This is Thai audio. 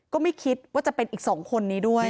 ก็ไม่คิดว่าจะเป็นอีก๒คนนี้ด้วย